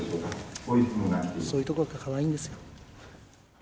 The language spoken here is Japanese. そういうところがかわいいんですよ。